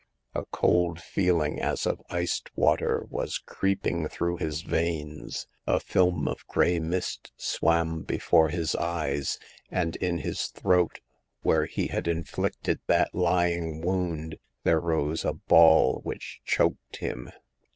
" A cold feeling, as of iced water, was creeping through his veins, a film of gray mist swam before his eyes, and in his throat, where he had inflicted that lying wound, there rose a ball which choked him.